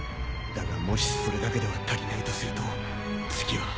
だがもしそれだけでは足りないとすると次は。